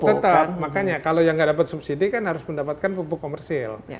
tetap makanya kalau yang nggak dapat subsidi kan harus mendapatkan pupuk komersil